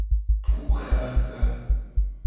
Puxaxa.